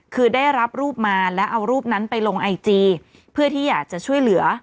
คือได้รับรูปมาและเอารูปนั้นไปลงไอจีเพื่อที่อยากจะช่วยเหลือ